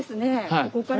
ここから。